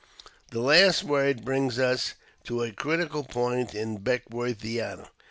This last word brings us to a critical point in the Beckwourthiana.